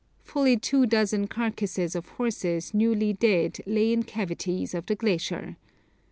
Fully two dozen carcases of horses newly dead lay in cavities of the glacier.